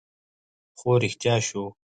خو رښتيا شو